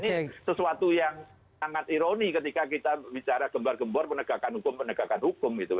ini sesuatu yang sangat ironi ketika kita bicara gembar gembor penegakan hukum penegakan hukum gitu